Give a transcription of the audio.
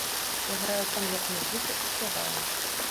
Я граю там як музыка і спяваю.